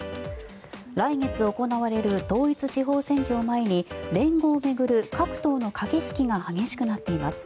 来月行われる統一地方選挙を前に連合を巡る各党の駆け引きが激しくなっています。